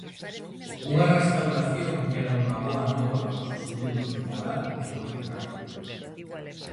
Unha restauración que era unha boa nova para os excluídos moral e politicamente.